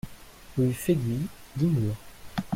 Rue Fegui, Limours